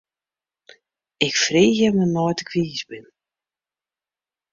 Ik freegje mar nei't ik wiis bin.